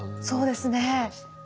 そうですね。